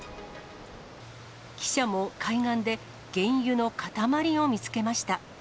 記者も海岸で、原油の塊を見つけました。